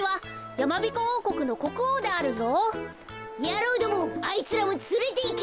やろうどもあいつらもつれていけ！